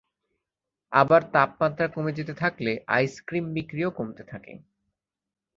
আবার তাপমাত্রা কমে যেতে থাকলে আইস ক্রিম বিক্রিও কমতে থাকে।